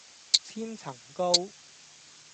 千層糕